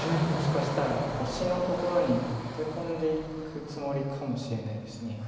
もしかしたら星のところにアテ込んでいくつもりかもしれないです。